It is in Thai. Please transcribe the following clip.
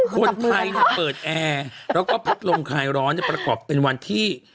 คนไทยเปิดแอร์แล้วก็พัดลมคลายร้อนประกอบเป็นวันที่